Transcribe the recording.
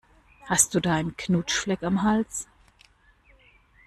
Hast du da einen Knutschfleck am Hals?